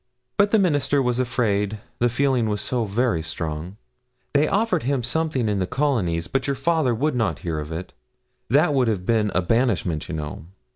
But the Minister was afraid, the feeling was so very strong. They offered him something in the Colonies, but your father would not hear of it that would have been a banishment, you know.